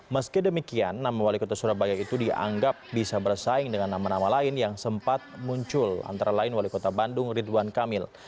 meski demikian nama wali kota surabaya itu dianggap bisa bersaing dengan nama nama lain yang sempat muncul antara lain wali kota bandung ridwan kamil